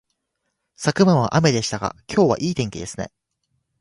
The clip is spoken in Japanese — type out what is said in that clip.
昨晩は雨でしたが、今日はいい天気ですね